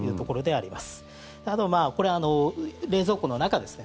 あと、冷蔵庫の中ですね